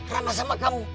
ramah sama kamu